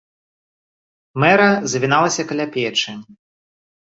Мэра завіналася каля печы.